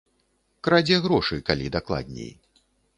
Крадзе грошы, калі дакладней.